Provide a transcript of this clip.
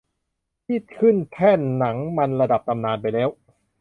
ที่ขึ้นแท่นหนังมันระดับตำนานไปแล้ว